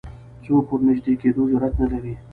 څوک ورنژدې کېدو جرئت نه لري